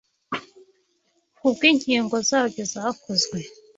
ku bw'inkingo zabyo zakozwe